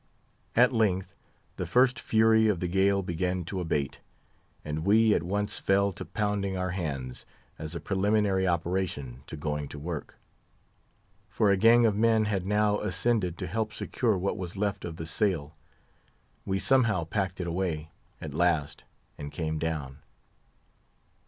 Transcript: At length the first fury of the gale began to abate, and we at once fell to pounding our hands, as a preliminary operation to going to work; for a gang of men had now ascended to help secure what was left of the sail; we somehow packed it away, at last, and came down.